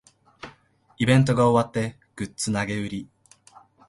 イベントが終わってグッズ投げ売り